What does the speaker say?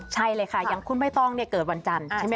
ใช่เลยค่ะอย่างคุณไม่ต้องเกิดวันจันทร์ใช่ไหมค